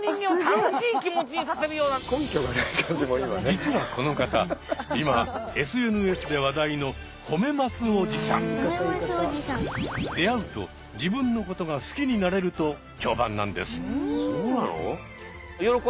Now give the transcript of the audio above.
実はこの方今ＳＮＳで話題の出会うと自分のことが好きになれると評判なんです。